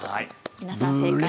皆さん、正解です。